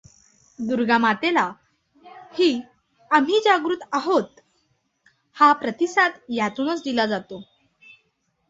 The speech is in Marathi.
दुर्गामातेला ही आम्ही जागृत आहोत हा प्रतिसाद यातूनच दिला जातो.